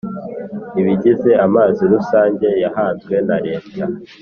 Ibigize amazi rusange yahanzwe na Leta